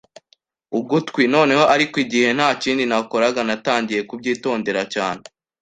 ugutwi. Noneho, ariko, igihe ntakindi nakoraga, natangiye kubyitondera cyane.